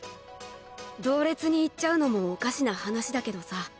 同列に言っちゃうのもおかしな話だけどさ。